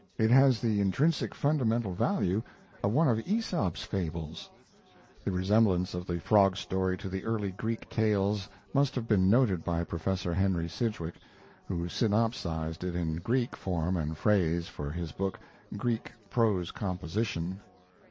It has the intrinsic fundamental value of one of AEsop's Fables. [The resemblance of the frog story to the early Greek tales must have been noted by Prof. Henry Sidgwick, who synopsized it in Greek form and phrase for his book, Greek Prose Composition.